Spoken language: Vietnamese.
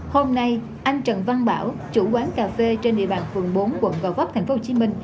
hôm nay anh trần văn bảo chủ quán cà phê trên địa bàn phường bốn quận gò vấp tp hcm